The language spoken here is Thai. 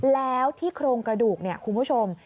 แล้วที่โครงกระดูกเนี่ยคุณผู้ชม